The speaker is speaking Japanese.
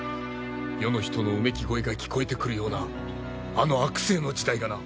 世の人のうめき声が聞こえてくるようなあの悪政の時代がな。